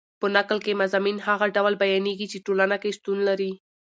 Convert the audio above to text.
په نکل کښي مضامین هغه ډول بیانېږي، چي ټولنه کښي شتون لري.